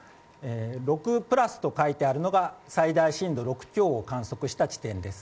６プラスと書いてあるのが最大震度６強を観測した地点です。